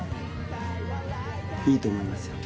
いいと思いますよ。